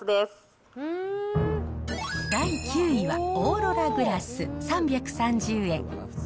第９位は、オーロラグラス３３０円。